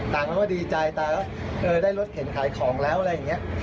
เขาก็ดีใจตายแล้วได้รถเข็นขายของแล้วอะไรอย่างนี้